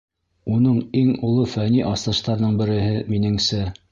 Уның иң оло фәнни асыштарының береһе, минеңсә.